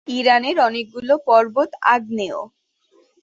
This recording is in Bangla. ইরানের অনেকগুলি পর্বত আগ্নেয়।